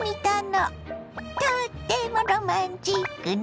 とってもロマンチックね。